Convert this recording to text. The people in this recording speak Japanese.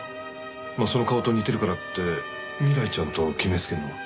その顔と似てるからって未来ちゃんと決めつけるのは。